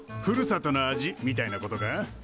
ふるさとの味みたいなことか？